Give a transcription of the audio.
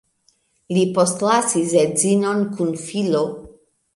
Li postlasis edzinon kun filo.